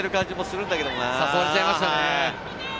誘われちゃいましたね。